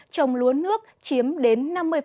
trồng lúa nước chiếm đến năm mươi